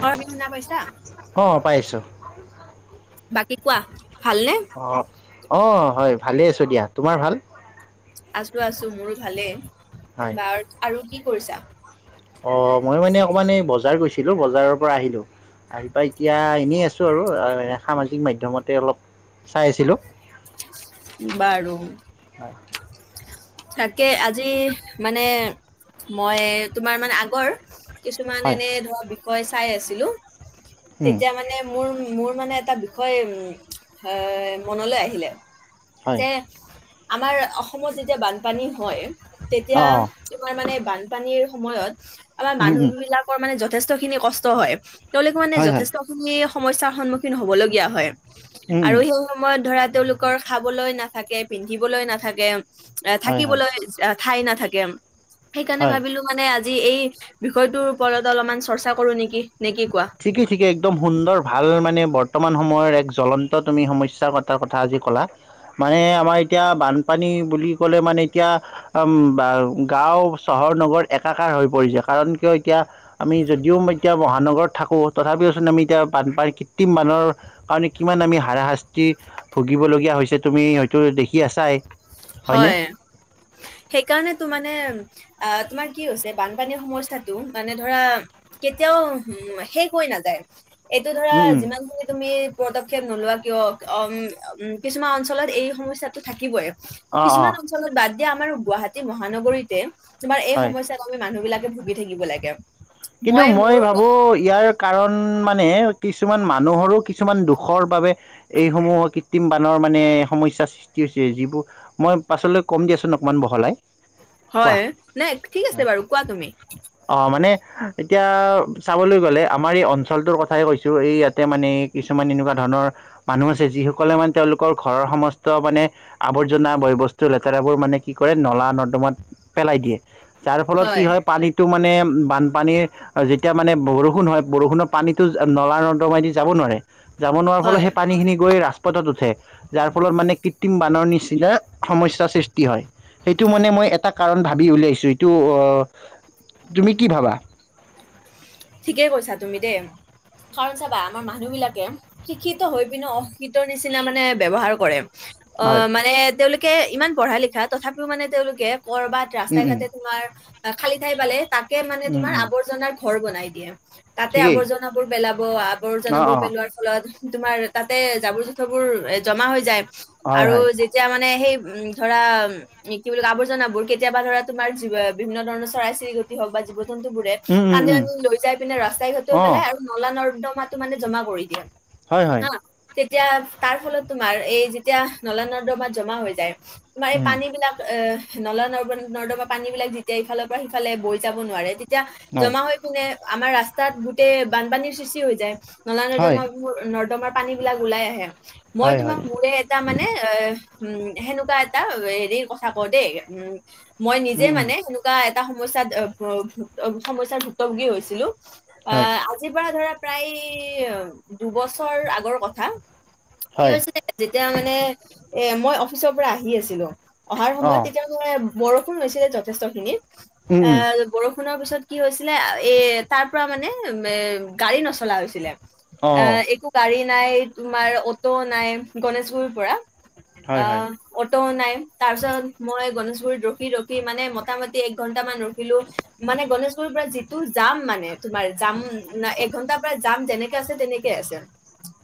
হয় বি শুনা পাইছা? অ, পাইছোঁ। বাকী কোৱা ভালনে? অ, অ হয় ভালেই আছো দিয়া, তোমাৰ ভাল? আছো আছো মোৰো ভালেই। হয় বাৰু আৰু কি কৰিছা? অ মই মানে অকমান এই বজাৰ গৈছিলো, বজাৰৰ পৰা আহিলো। আহি পাই এতিয়া এনেই আছো আৰু এ সামাজিক মাধ্যমতে অলপ চাই আছিলো। বাৰু হয় তাকে আজি মানে, মই তোমাৰ মানে আগৰ কিছুমান হয় এনে ধৰ বিষয় চাই আছিলো, উম তেতিয়া মানে মোৰ মোৰ মানে এটা বিষয় উ মনলৈ আহিলে, হয় যে আমাৰ অসমত যেতিয়া বানপানী হয়। অ তেতিয়া তোমাৰ মানে বানপানীৰ সময়ত আমাৰ উম মানুহ উম বিলাকৰ মানে যথেষ্ট খিনি কষ্ট হয়, তেওঁলোকে মানে হয় হয় যথেষ্টখিনি সমস্যাৰ সন্মুখীন হবলগীয়া হয়, উম আৰু উম সেই সময়ত ধৰা তেওঁলোকৰ খাবলৈ নাথাকে, পিন্ধিবলৈ নাথাকে, এ হয় হয় থাকিবলৈ ঠাই নাথাকে। সেইকাৰণে হয় ভাবিলো মানে আজি এই বিষয়টোৰ ওপৰত অলপমান চৰ্চা কৰো নেকি, নে কি কোৱা! ঠিকে ঠিকে একদম সুন্দৰ ভাল মানে বৰ্তমান সময়ৰ এক জ্বলন্ত তুমি সমস্যা পট্টা কথা আজি ক'লা, মানে আমাৰ এতিয়া বানপানী বুলি ক'লে, মানে এতিয়া উম বা গাঁও, চহৰ-নগৰ একাকাৰ হৈ পৰিছে। কাৰণ কিয় এতিয়া আমি যদিও এতিয়া মহানগৰত থাকোঁ, তথাপিওচোন আমি এতিয়া বানপানীৰ কৃত্ৰিম বানৰ কাৰনে কিমান আমি হাৰাশাস্তি ভুগিবলগীয়া হৈছে তুমি ঐত তো দেখি আছাই হয়নে? সেইকাৰণে তো মানে আহ তোমাৰ কি হৈছে, বানপানীৰ সমস্যা টো মানে ধৰা' কেতিয়াও উ শেষ হৈ নাযায়। এইটো ধৰা উম উম যিমান খিনি তুমি পদক্ষেপ নোলোৱা কিয়, ওম উম কিছুমান অঞ্চলত এই সমস্যাটো থাকিবই। অ অ কিছুমান অঞ্চলত বাদ দিয়া আমাৰ গুৱাহাটী মহানগৰীতে, তোমাৰ এই হয়। সমস্যা ত মানুহ বিলাকে ভুগি থাকিব লাগে। কিন্তু মই ভাবো? ইয়াৰ কাৰণ মানে কিছুমান মানুহৰো কিছুমান দুখৰ বাবে এইসমূহ কৃত্ৰিম বানৰ মানে সমস্যাৰ সৃষ্টি হৈছে। যিবোৰ মই পাছলৈ কম দিয়াচোন অকমান বহলাই। কোৱা। হয়, নাই ঠিক অ আছে বাৰু কোৱা তুমি? অ' মানে এতিয়া চাবলৈ গ'লে আমাৰ এই অঞ্চলটোৰ কথাই কৈছোঁ, এই ইয়াতে মানে কিছুমান এনেকুৱা ধৰণৰ মানুহ আছে যিসকলে মানে তেওঁলোকৰ ঘৰৰ সমস্ত মানে আৱৰ্জনা, বয়বস্তু, লেতেৰাবোৰ মানে কি কৰে নলা- নৰ্দমাত পেলাই দিয়ে, যাৰ ফলত কি হয় পানীটো মানে বানপানীৰ আৰু যেতিয়া মানে বৰষুণ হয়, বৰষুণৰ পানীতো নলা- নৰ্দমাই দি যাব নোৱাৰে। যাব নোৱাৰাৰ ফলত হয় সেই পানীখিনি গৈ ৰাস্তা পথত উঠে যাৰ ফলত মানে কৃত্ৰিম বানৰ নিচিনা সমস্যাৰ সৃষ্টি হয়। সেইটো মানে মই এটা কাৰণ ভাবি উলিয়াইছো। এইটো আহ তুমি কি ভাবা? ঠিকেই কৈছা তুমি দেই। কাৰণ চাবা- আমাৰ মানুহ বিলাকে শিক্ষিত হৈ পিনেও অশিক্ষিত ৰ নিচিনা মানে ব্যৱহাৰ কৰে। অ, হয় মানে তেওঁলোকে ইমান পঢ়া- লিখা তথাপিও মানে তেওঁলোকে কৰবাত উম ৰাস্তাই উম ঘাটে তোমাৰ খালী ঠাই পালে তাকে মানে উম তোমাৰ উম আৱৰ্জনাৰ ঘৰ বনাই দিয়ে। তাতে ঠিকেই আৱৰ্জনাবোৰ পেলাব, অ আৱৰ্জনাবোৰ অ পেলোৱাৰ ফলত তোমাৰ তাতে জাবৰ- জোথৰবোৰ জমা হৈ যায় হয় আৰু হয় যেতি যেতিয়া মানে সেই উ'ম, ধৰা উ'ম কি বুলি কয় আৱৰ্জনাবোৰ কেতিয়াবা ধৰা তোমাৰ জীৱ আ বিভিন্ন ধৰণৰ চৰাই- চিৰিকতি হওক বা জীৱ- জন্তু বোৰে উম উম টানি, উম টানি লৈ যাই পিনে ৰাস্তাই ঘাটেও অ পেলাই আৰু নলা- নৰ্দমাটো মানে জমা কৰি দিয়ে। হয় হয় হা? তেতিয়া তাৰ ফলত তোমাৰ এই যেতিয়া নলা নৰ্দমাত জমা হৈ যায় তোমাৰ এই উম পানী বিলাক এ! নলা ন নৰ্দমা পানী বিলাক যেতিয়া ইফালৰ পৰা সিফালে বৈ যাব নোৱাৰে তে এতিয়া জমা হৈ কিনে আমাৰ ৰাস্তাত গোটেই বানপানীৰ সৃষ্টি হৈ যায়। নলা- হয় নদমা নৰ্দমাৰ পানী বিলাক ওলাই আহে, মই হয় হয় হয় তোমাক মোৰে তাৰ মানে এ উ'ম সেনেকুৱা এটা হেৰি কথা কওঁ দেই উ'ম, মই উম নিজে উম মানে এনেকুৱা এটা সমস্যাত অ প ভু সমস্যাত ভুক্তভুোগী হৈছিলো। হয় আ'হ আজিৰ পৰা ধৰা প্ৰায় দুবছৰ আগৰ কথা। কি হয় হৈছিলে যেতিয়া মানে এ মই অফিচৰ পৰা আহি আছিলো অহাৰ অ সময়ত তেতিয়া এ! বৰষুণ হৈছিলে যথেষ্ট খিনি উম এ উম বৰষুণৰ পিছত কি হৈছিলে? এ তাৰ পৰা মানে গাড়ী নচলা হৈছিলে অ এ একো- গাড়ী নাই, তোমাৰ অটো নাই, গণেশগুৰি পৰা হয় আ হয় অটো নাই তাৰ পিছত মই গণেশগুৰিত ৰখি ৰখি মানে মোটামুটি এক ঘন্টামান ৰখিলো। মানে গণেশগুৰিৰ পৰা যিটো যাম মানে তোমাৰ যাম ন এঘন্টাৰ পৰা যাম যেনেকে আছে তেনেকে আছে।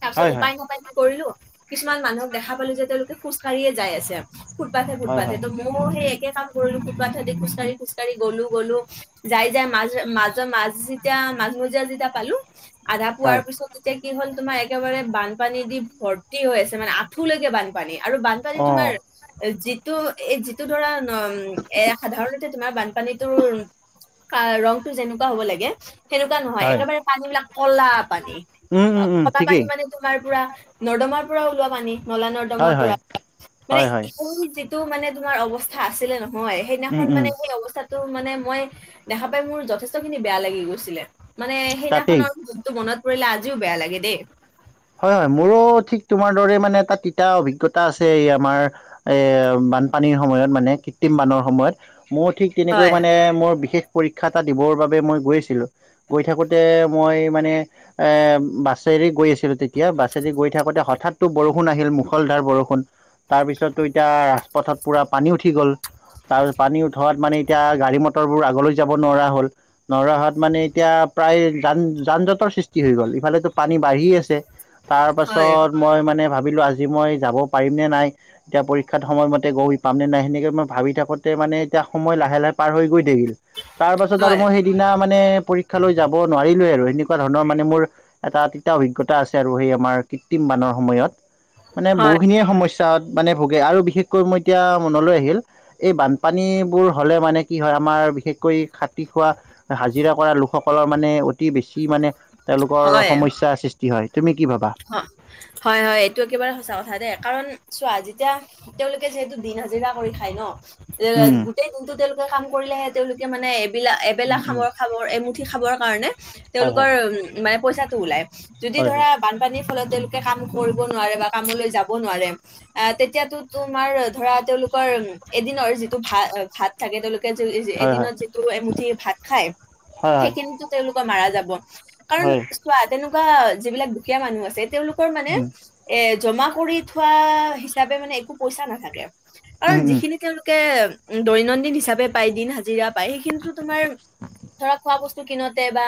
তাৰ পিছত হয় হয় উপায় নাপায় কি কৰিলো কিছুমান মানুহক দেখা পালো যে তেওঁলোকে খোজ কাঢ়িয়েই যাই আছে। ফুটপাতে, হয় ফটপাতে হয় ত ময়ে সেই একে কাম কৰিলো ফুথপাতে খোজকাঢ়ি, খোজকঢ়ি গ'লো, গ'লো যাই, যাই মাজ ম ত মাছ যেতিয়া মাজমজিয়া যেতিয়া পালো আধা পোৱাৰ হয় পিছত এতিয়া কি হ'ল তোমাৰ একেবাৰে বানপানী দি ভৰ্তি হৈ আছে মানে আঁঠুলৈকে বানপানী আৰু বান আজি কালি অ তোমাৰ যিটো এ যিটো ধৰা এ সাধাৰণতে তোমাৰ বানপানীটোৰ ৰংটো যেনেকুৱা হব লাগে সেনেকুৱা নহয় হয় একেবাৰে পানী বিলাক কলা পানী উম উম উম কলা পানী ঠিকেই মানে তোমাৰ পুৰা নৰ্দমাৰ পৰা ওলোৱা পানী, নলা, হয় নৰ্দমাৰ হয় পৰা মানে হয় হয় সেই যে - টো মানে তোমাৰ অৱস্থা আছিলে নহয়, উম সেইদিনাখন উম মানে সেই অৱস্থাত ত' মানে মই দেখা পাই মোৰ যথেষ্ট খিনি বেয়া লাগি গৈছিলে মানে তাকেই সেইদিনাখনৰ দিনটো মনত পৰিলে আজিও বেয়া লাগে দেই। হয় মোৰো ঠিক তোমাৰ দৰে মানে এটা তিতা অভিজ্ঞতা আছে এই আমাৰ এ বানপানীৰ সময়ত মানে কৃত্ৰিম বানৰ সময়ত মোৰ ঠিক তেনেকৈ হয় মানে মোৰ বিশেষ পৰীক্ষা এটা দিবৰ বাবে মই গৈ আছিলোঁ। গৈ থাকোতে মই মানে এ বাছেৰে গৈ আছিলো তেতিয়া - তেতিয়া বাছেদি গৈ থাকোতে হঠাৎ বৰষুণ আহিল মুখলধাৰ বৰষুণ, তাৰপিছততো এতিয়া ৰাজপথত পুৰা পানী উঠি গ'ল আৰু পানী উঠোৱাত মানে এতিয়া গাড়ী মটৰবোৰ আগলৈ যাব নোৱাৰা হ'ল নোৱাৰাহোৱাত মানে এতিয়া প্ৰায় যান যান জঁটৰ সৃষ্টি হৈ গ'ল ইফালেতো পানী বাঢ়ি আছে তাৰ হয় পাছত মই মানে ভাবিলোঁ আজি মই যাব পাৰিমনে নাই এতিয়া পৰীক্ষাত সময়মতে গৈ পাম নে নাই সেনেকে মই ভাবি থাকোঁতে মানে এতিয়া সময় লাহে লাহে পাৰ হৈ গৈ থাকিল তাৰ পাছত আৰু হয় মই সেই সেইদিনা মানে পৰীক্ষা লৈ যাব নোৱাৰিলোৱে আৰু সেনেকুৱা ধৰণৰ মানে মোৰ এটা তিতা অভিজ্ঞতা আছে আৰু সেই আমাৰ কৃত্ৰিম বানৰ সময়ত মানে হয় বহুখিনিয়ে সমস্যা তাত মানে ভোগে আৰু বিশেষকৈ মই এতিয়া মনলৈ আহিল এই বানপানীবোৰ হ'লে মানে কি হয় আমাৰ বিশেষকৈ খাটি খোৱা হাজিৰা কৰা লোকসকলৰ মানে অতি বেছি মানে তেওঁলোকৰ হয় সমস্যা সৃষ্টি সৃষ্টি হয় তুমি কি ভাবা? হয় হয় এইটো একেবাৰে সঁচা কথাতে কাৰণ চোৱা যেতিয়া তেওঁলোকে যিহেতু দিন হাজিৰা কৰি খায় ন এ উম গোটেই দিনটো তেওঁলোকে কাম কৰিলেহে তেওঁলোকে মানে এবেলা এবেলা উম উম খাবৰ খাবৰ এমুঠি খাবৰ কাৰণে হয় হয় তেওঁলোকৰ উম মানে পইচাটো ওলাই যদি হয় ধৰা বানপানীৰ ফলত তেওঁলোকে কাম কৰিব নোৱাৰে বা কামলৈ যাব নোৱাৰে আহ তেতিয়াতো তোমাৰ ধৰা তেওঁলোকৰ এদিনৰ যিটো ভা ভাত তাকে তেওঁলোকে হয় হয় য-এদিনত যিটো এমুঠি ভাত খাই হয় হয় হয় সেইখিনিতো তেওঁলোকৰ মাৰা যাব। কাৰণ হয় চোৱা তেনেকুৱা যিবিলাক দুখীয়া মানুহ আছে তেওঁলোকৰ মানে উম এ জমা কৰি থোৱা হিচাপে মানে একো পইচা নাথাকে। উম কাৰণ উম যিখিনি তেওঁলোকে উ দৈনন্দিন হিচাপে পায় দিন হাজিৰা পায় সেইখিনিতো তোমাৰ ধৰা খোৱা বস্তু কিনোতে বা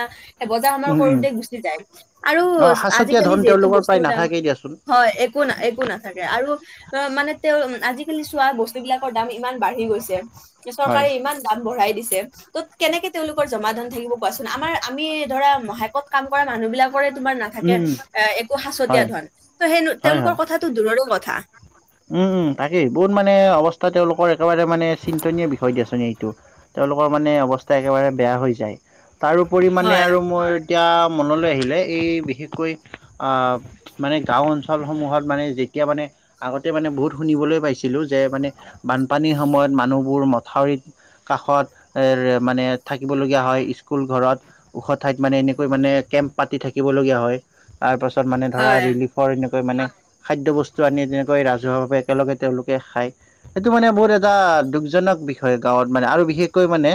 বজাৰ সমাৰ উম উম কৰোতে গুচি যায় আৰু অ সাঁচতীয়া আজিকালি ধন যিহেতু তেওঁলোকৰ প্ৰায় বস্তুৰ দাম নাথাকেই দিয়াচোন হয় একো না একো নাথাকে আৰু ত' মানে তেওঁ আজিকালি চোৱা বস্তু বিলাকৰ দাম ইমান বাঢ়ি গৈছে হয় চৰকাৰে ইমান দাম বঢ়াই দিছে ত' কেনেকে তেওঁলোকৰ জমা ধন থাকিব কোৱাচোন আমাৰ আমি ধৰা মাহেকত কাম কৰা মানুহ বিলাকৰে তোমাৰ না উম উম এ একো সাঁচতীয়া হয় ধন ত' সেই হয় হয় তেওঁলোকৰ কথাটো দূৰৰো কথা। উম তাকেই বহুত মানে অৱস্থা তেওঁলোকৰ একেবাৰে মানে চিন্তনীয় বিষয় দিয়াচোন এইটো। তেওঁলোকৰ মানে অৱস্থা একেবাৰে বেয়া হৈ যায় তাৰোপৰি মানে হয়, আৰু মই এতিয়া মনলৈ আহিলে এই বিশেষকৈ মানে গাঁও অঞ্চলসমূহত মানে যেতিয়া মানে আগতে মানে বহুত শুনিবলৈ পাইছিলোঁ যে মানে বানপানীৰ সময়ত মানুহবোৰ মথাউৰিত কাষত মানে থাকিবলগীয়া হয় স্কুল ঘৰত ওখ ঠাইত মানে এনেকৈ মানে কেম্প পাতি থাকিবলগীয়া হয়। তাৰ পাছত মানে ধৰা হয়। ৰিলিফৰ এনেকৈ মানে খাদ্য বস্তু আনি তেনে কৈ ৰাজহুৱাভাবে একেলগে তেওঁলোকে খায়। সেইটো মানে বহুত এটা দুখজনক বিষয় গাঁৱত মানে আৰু বিশেষকৈ মানে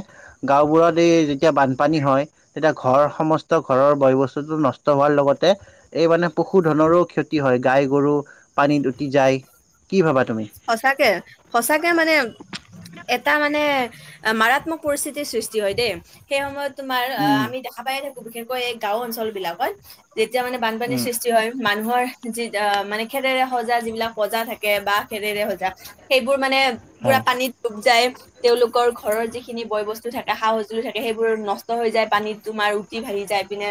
গাঁওবোৰত এই যেতিয়া বানপানী হয়, তেতিয়া ঘৰ সমস্ত ঘৰৰ বয় বস্তুটো নষ্ট হোৱাৰ লগতে এই মানে পশুধনৰো ক্ষতি হয়। গাই গৰু পানীত উটি যায়। কি ভাবা তুমি? সঁচাকে সঁচাকে মানে এটা মানে মাৰাত্মক পৰিস্থিতিৰ সৃষ্টি হয় দেই। সেই সময়ত তোমাৰ আ উম উম আমি দেখা পাই থাকো, বিশেষকৈ এই গাওঁ অঞ্চল বিলাকত। যেতিয়া মানে বানপানীৰ উম সৃষ্টি হয়, মানুহৰ যি মানে খেৰেৰে সজা যিবিলাক প্ৰজা থাকে বা খেৰেৰে সজা, সেইবোৰ মানে পুৰা হয় পানীত ডুব যায়। তেওঁলোকৰ ঘৰৰ যিখিনি বয়-বস্তু থাকে, সা-সঁজুলি থাকে সেইবোৰ নষ্ট হৈ যায় পানীত তোমাৰো উটি ভাঁহি যায় এইপিনে।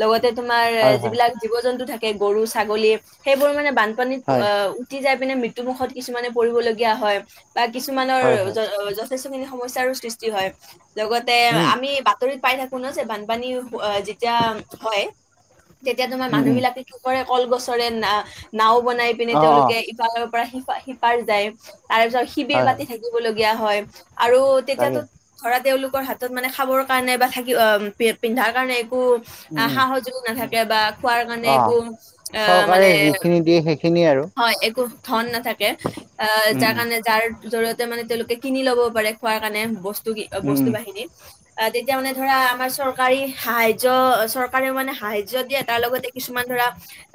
লগতে তোমাৰ হয় হয় যিবিলাক জীৱ-জন্তু থাকে গৰু, ছাগলী সেইবোৰ মানে বান পানীত হয় আ উঠি যাই পিনে মৃত্যুমুখত কিছুমানে পৰিবলগীয়া হয়। বা কিছুমানৰ হয় হয় যথেষ্ট খিনি সমস্যাৰো সৃষ্টি হয়। লগতে উম আমি বাতৰিত পাই থাকো ন যে বানপানী যেতিয়া হয়। তেতিয়া তোমাৰ উম মানুহ উম বিলাকে কি কৰে কলগছৰে না নাওঁ বনাই পিনে অ অ তেওঁলোকে ইফালৰ পৰা সিপা-সিপাৰ যায়, তাৰপিছত শিবিৰ হয় পাতি হয় থাকিবলগীয়া হয়। আৰু তাকে তেতিয়াতো ধৰা তেওঁওলোকৰ হাতত মানে খাবৰ কাৰণে বা থাকি অ' পিন্ধাৰ কাৰণে একো উম উম সা-সজুলি নাথাকে বা খোৱাৰ কাৰণে অ একো আহ চৰকাৰে মানে যিখিনি দিয়ে সেইখিনিয়ে আৰু হয় একো ধন নাথাকে। অ' উম উম যাৰকাৰণে যাৰ জৰিয়তে মানে তেওঁলোকে কিনি ল'ব পাৰে খোৱাৰ কাৰণে বস্তু উপযোগী উম বস্তু উম বাহিনী আহ, তেতিয়া মানে ধৰা আমাৰ চৰকাৰী সাহায্য চৰকাৰেও মানে সাহায্য দিয়ে, তাৰ লগতে কিছুমান ধৰা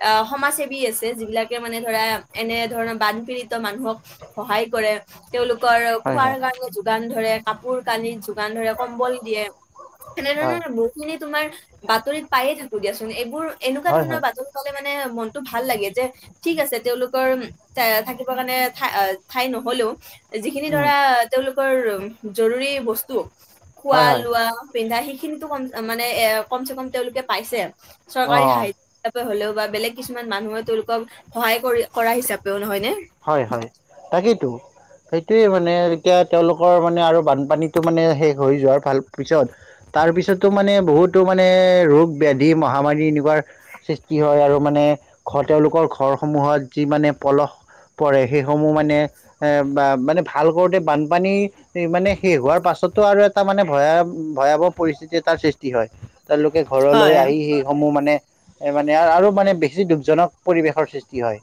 অ, সমাজ সেৱী আছে, যিবিলাকে মানে ধৰা এনে ধৰণৰ বানপীড়িত মানুহক সহায় কৰে। তেওঁলোকৰ হয় খোৱাৰ হয় কাৰণে যোগান ধৰে, কাপোৰ কানিত যোগান ধৰে, কম্বল দিয়ে। হয় এনেধৰণৰ বস্তু খিনি তোমাৰ বাতৰিত পায়ে থাকো দিয়াচোন। এইবোৰ এনেকুৱা হয় ধৰণৰ হয় বাতৰি পালে মানে মনতো ভাল লাগে যে ঠিক আছে তেওঁওলোকৰ এ থাকিবৰ কাৰণে ঠা ঠাই নহ'লেও, যিখিনি উম ধৰা তেওঁলোকৰ জৰুৰী বস্তু খোৱা হয় হয় লোৱা পিন্ধা সেইখিনিতো মানে এ কম চে কম তেওঁলোকে পাইছে, চৰকাৰী অ সাহায্য হ'লেও বা বেলেগ কিছুমান মানুহে তেওঁলোকক সহায় কৰি কৰা হিচাপেও নহয় নে। হয়-হয় তাকেইতো। সেইটোৱে মানে এতিয়া তেওঁলোকৰ মানে আৰু বানপানীতো মানে শেষ হৈ যোৱাৰ ভাল পিছত তাৰ পিছতো মানে বহুতো মানে ৰোগ ব্যাধি, মহামাৰী এনেকুৱা সৃষ্টি হয় আৰু মানে ঘৰ তেওঁলোকৰ ঘৰসমূহত যি মানে পলস পৰে সেইসমূহ মানে এ বা মানে ভাল কৰোঁতে বানপানী মানে শেষ হোৱাৰ পাছতো আৰু এটা মানে ভয়া ভয়াৱহ পৰিস্থিতি এটাৰ সৃষ্টি হয়। তেওঁলোকে ঘৰলৈ হয়, আহি সেইসমূহ মানে মানে আৰু মানে বেছি দুখজনক পৰিৱেশৰ সৃষ্টি হয়।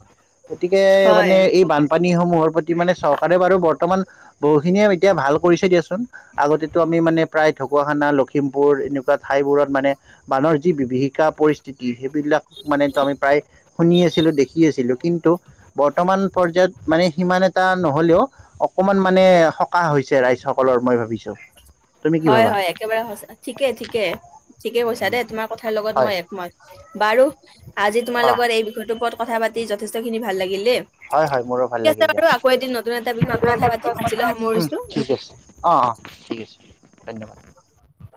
গতিকে মানে হয়। এই বানপানী সমূহৰ প্ৰতি মানে চৰকাৰে বাৰু বৰ্তমান বহুখিনিয়ে এতিয়া ভাল কৰিছে দিয়াচোন। এই আগতেতো আমি মানে প্ৰায় ঢকুৱাখানা, লখিমপুৰ এনেকুৱা ঠাইবোৰত মানে বানৰ যি বিভীষিকা পৰিস্থিতি সেই বিলাক মানে আমি প্ৰায় শুনি আছিলোঁ, দেখি আছিলোঁ। কিন্তু বৰ্তমান পৰ্যায়ত মানে সিমান এটা নহ'লেও, অকমান মানে সকাহ হৈছে ৰাইজক। হয়-হয়, একেবাৰে সঁচা ঠিকে, ঠিকে, ঠিকে কৈছা দেই তোমাক কথাৰ লগত হয় মই একমত। বাৰু আজি তোমাৰ অ লগত এই বিষয়টো ওপৰত কথা পাতি যথেষ্টখিনি ভাল লাগিল দেই। হয়-হয়, মোৰো ভাল ঠিক আছে লাগিল দিয়া। বাৰু, আকৌ এদিন এটা বিষয়ত নতুন কথা এটা পাতিম। বিষয়ত কথা আজিলৈ পাতিম। উম' সামৰিছোঁ। ঠিক আছে। অ-অ, ঠিক আছে ধন্যবাদ। [unintelligible]